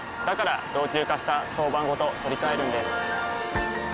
から老朽化した床版ごと取り替えるんです。